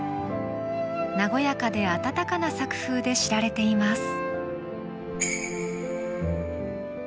和やかで温かな作風で知られています。